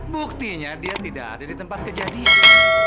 buktinya dia tidak ada di tempat kejadian